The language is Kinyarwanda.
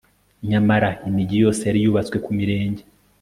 nyamara, imigi yose yari yubatswe ku mirenge